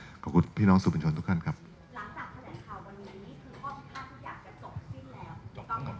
หลังจากแผ่นข่าววันนี้คือข้อพิภาพทุกอย่างจะจบที่แล้ว